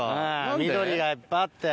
緑がいっぱいあって。